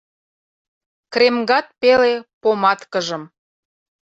Кремгат пеле поматкыжым